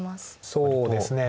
そうですね。